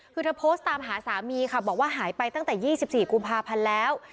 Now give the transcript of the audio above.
คือเธอโพสต์ตามหาสามีค่ะบอกว่าหายไปตั้งแต่๒๔กุมภาพันธ์แล้ว